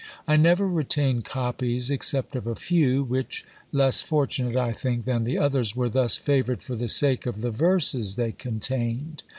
I never retained copies except of a few, which, less fortunate, I think, than the others, were thus favoured for the sake of the verses they contained.